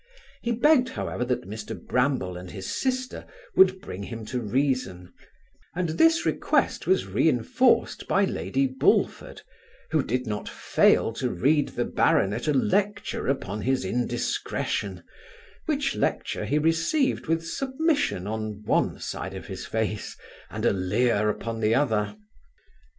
He begged, however, that Mr Bramble and his sister would bring him to reason; and this request was reinforced by lady Bullford, who did not fail to read the baronet a lecture upon his indiscretion, which lecture he received with submission on one side of his face, and a leer upon the other.